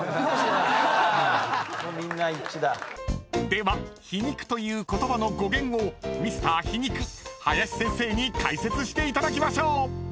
［では皮肉という言葉の語源をＭｒ．皮肉林先生に解説していただきましょう！］